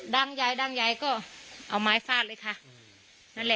ดังใหญ่ดังใหญ่ก็เอาไม้ฟาดเลยค่ะนั่นเลยเขาก็ถ่ายได้ตรงที่ว่าไม้ฟาดนั่นเลย